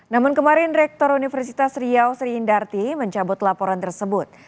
namun kemarin rektor universitas riau sri indarti mencabut laporan tersebut